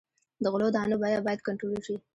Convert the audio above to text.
د غلو دانو بیه باید کنټرول شي.